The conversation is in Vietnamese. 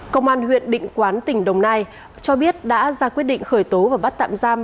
công an huyện định quán tỉnh đồng nai cho biết đã ra quyết định khởi tố và bắt tạm giam